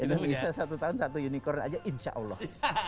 kita bisa satu tahun satu unicorn aja insya allah